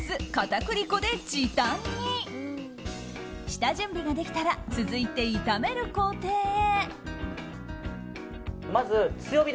下準備ができたら続いて炒める工程へ。